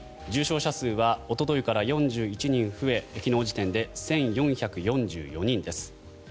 重症者数はおとといから４１人増え昨日時点で１４４４人です。